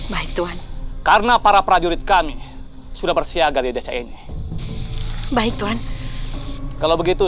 baik tuhan karena para prajurit kami sudah bersiaga di desa ini baik tuhan kalau begitu